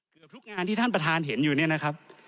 เกือบทุกงานที่ท่านประธานเห็นอยู่เนี่ยนะครับ